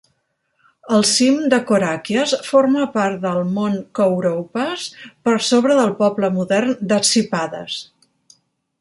El cim de Korakias forma part del mont Kouroupas, per sobre del poble modern d'Atsipades.